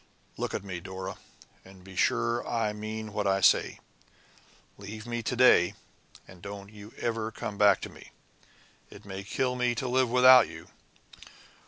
"Look at me, Dora, and be sure I mean what I say. Leave me to day, and don't you ever come back to me. It may kill me to live without you.